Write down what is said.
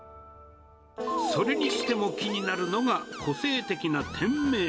それにしても、気になるのが個性的な店名。